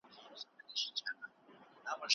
چې جاذبه یې جذب کړي.